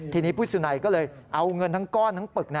ทีนี้ผู้สุนัยก็เลยเอาเงินทั้งก้อนทั้งปึก